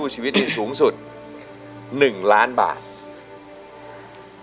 คุณจะกลับก็ได้อย่างนั้นสักครู่